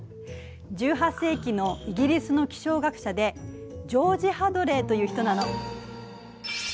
１８世紀のイギリスの気象学者でジョージ・ハドレーという人なの。